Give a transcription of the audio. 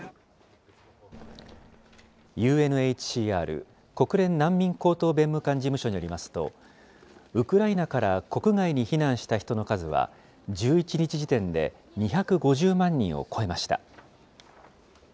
ＵＮＨＣＲ・国連難民高等弁務官事務所によりますと、ウクライナから国外に避難した人の数は、１１日時点で２５０万人を超えました。